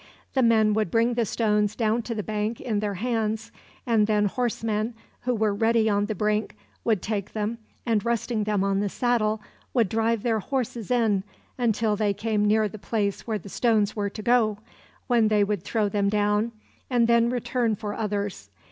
The men would bring the stones down to the bank in their hands, and then horsemen, who were ready on the brink, would take them, and, resting them on the saddle, would drive their horses in until they came near the place where the stones were to go, when they would throw them down and then return for others.